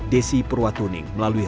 desi purwatuning melalui